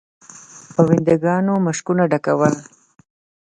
پونده ګانو مشکونه ډکول.